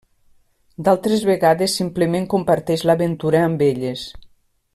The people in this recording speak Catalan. D’altres vegades simplement comparteix l’aventura amb elles.